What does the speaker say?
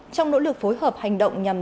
trong nỗ lực phối hợp hành động nhằm